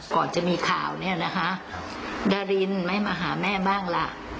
ก่อนจะมีข่าวดารินจะมาหาแม่บ้างล่ะ